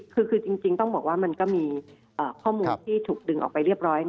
คือจริงต้องบอกว่ามันก็มีข้อมูลที่ถูกดึงออกไปเรียบร้อย